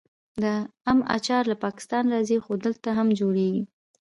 د ام اچار له پاکستان راځي خو دلته هم جوړیږي.